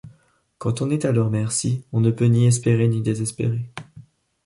Quand on est à leur merci, on ne peut ni espérer ni désespérer.